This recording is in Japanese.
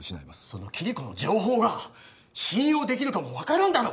そのキリコの情報が信用できるかも分からんだろ！